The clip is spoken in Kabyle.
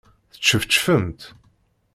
Teččefčfemt?